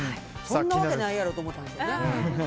そんなわけないやろと思ったんでしょうね。